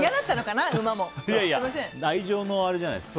愛情のあれじゃないですか？